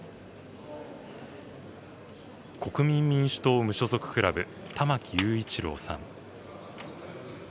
国民民主党・無所属クラブ、玉木雄一郎さん。